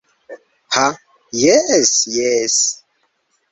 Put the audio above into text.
Ha jes... jes...